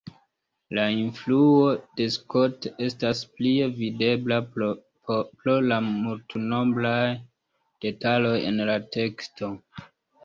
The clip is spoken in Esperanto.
La influo de Scott estas plie videbla pro la multnombraj detaloj en la teksto.